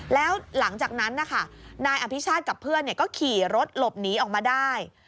แล้วหลังจากนั้นนะคะนายอภิชาติกับเพื่อนก็ขี่รถหลบหนีออกมาได้